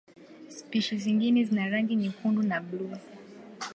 Spishi nyingine zina rangi nyekundu na buluu.